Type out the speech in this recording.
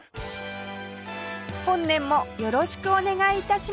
本年もよろしくお願い致します